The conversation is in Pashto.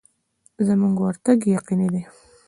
زموږ ورتګ یقیني دی.